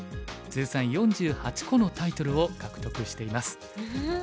通算４８個のタイトルを獲得しています。